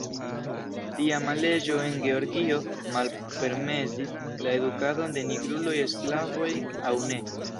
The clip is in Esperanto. Tiama leĝo en Georgio malpermesis la edukadon de nigruloj, sklavoj aŭ ne.